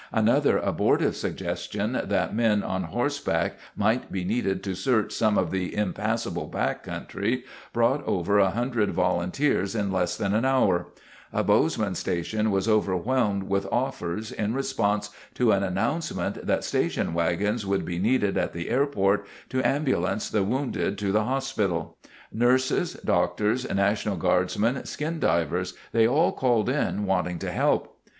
Another abortive suggestion that men on horseback might be needed to search some of the impassable back country brought over a hundred volunteers in less than an hour. A Bozeman station was overwhelmed with offers in response to an announcement that station wagons would be needed at the airport to ambulance the wounded to the hospital. [Illustration: Road blocked by boulders.] Nurses, doctors, National Guardsmen, skindivers—they all called in wanting to help.